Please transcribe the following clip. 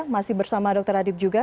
masih bersama dr adib juga